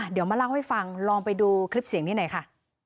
เดี๋ยวมาเล่าให้ฟังลองไปดูคลิปเสียงนี้หน่อยค่ะ